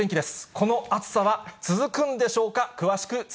この暑さは続くんでしょうか。